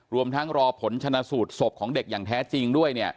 รวมทั้งรอผลชนะสูตรศพของเด็กอย่างแท้จริงด้วย